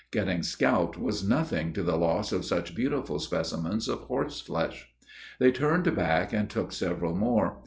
Getting scalped was nothing to the loss of such beautiful specimens of horseflesh. They turned back, and took several more.